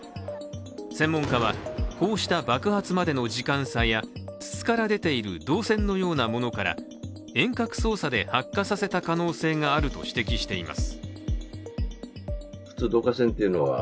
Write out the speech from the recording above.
専門家は、こうした爆発までの時間差や筒から出ている導線のようなものから遠隔操作で発火させた可能性があると指摘しています。